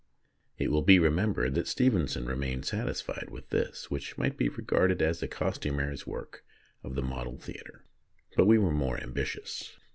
It will be remembered that Stevenson re mained satisfied with this, which might be regarded as the costumier's work of the model theatre, but we were more ambitious.